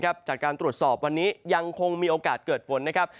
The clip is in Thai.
จากการตรวจสอบวันนี้ยังคงมีโอกาสเกิดฝนนะครับ